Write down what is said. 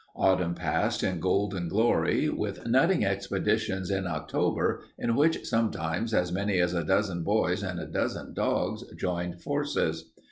Autumn passed in golden glory, with nutting expeditions in October in which sometimes as many as a dozen boys and a dozen dogs joined forces.